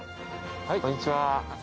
こんにちは。